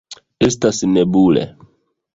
Estas nebule.